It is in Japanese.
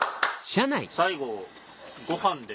最後ご飯で。